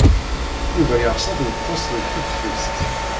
Yuba yeɣs ad yeḍḍes deg teftist.